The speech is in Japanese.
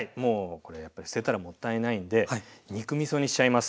これやっぱり捨てたらもったいないんで肉みそにしちゃいます。